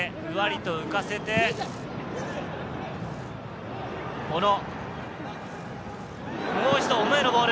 ふわりと浮かせて、小野。